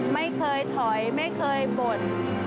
ไม่เคยถอยไม่เคยบ่น